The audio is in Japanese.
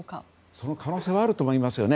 その可能性はあると思いますよね。